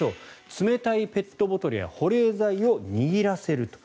冷たいペットボトルや保冷剤を握らせると。